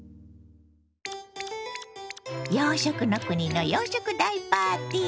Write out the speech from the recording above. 洋食の国の洋食大パーティー